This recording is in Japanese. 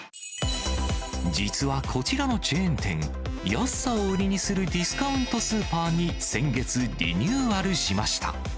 実はこちらのチェーン店、安さを売りにするディスカウントスーパーに先月、リニューアルしました。